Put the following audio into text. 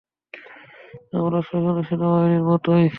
আমরা সেখানে সেনাবাহিনীর মতোই।